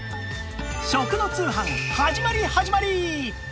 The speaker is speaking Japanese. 食の通販始まり始まり！